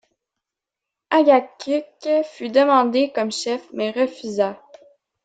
Agaguk fut demandé comme chef mais refusa.